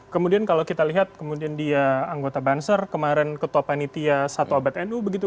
kemudian kalau kita lihat kemudian dia anggota banser kemarin ketua panitia satu abad nu begitu